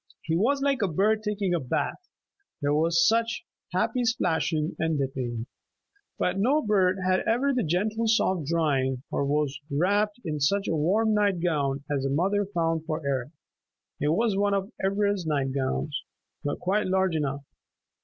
He was like a bird taking a bath; there was such happy splashing and dipping. But no bird had ever the gentle soft drying, or was wrapped in such a warm night gown as the mother found for Eric. It was one of Ivra's night gowns, but quite large enough.